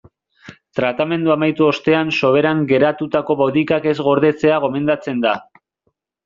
Tratamendua amaitu ostean soberan geratutako botikak ez gordetzea gomendatzen da.